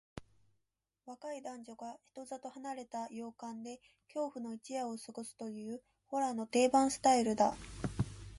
若い男女が人里離れた洋館で恐怖の一夜を過ごすという、ホラーの定番スタイルだ。